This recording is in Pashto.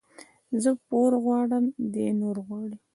زه پور غواړم ، دى نور غواړي.